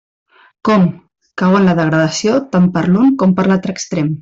Com!, cau en la degradació tant per l'un com per l'altre extrem!